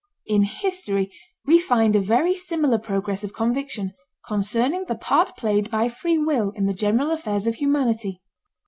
In history we find a very similar progress of conviction concerning the part played by free will in the general affairs of humanity.